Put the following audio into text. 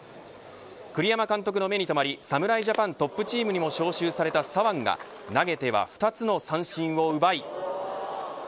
栗山監督の目に止まり侍ジャパントップチームにも召集された左腕が投げては２つの三振を奪い。